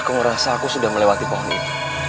aku ngerasa aku sudah melewati pohon ini